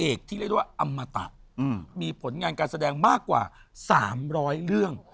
ที่เรียกได้ว่าอมตะมีผลงานการแสดงมากกว่า๓๐๐เรื่อง